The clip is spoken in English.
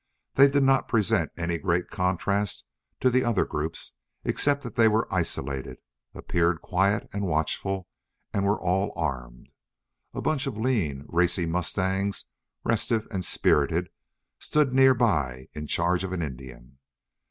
They did not present any great contrast to the other groups except that they were isolated, appeared quiet and watchful, and were all armed. A bunch of lean, racy mustangs, restive and spirited, stood near by in charge of an Indian.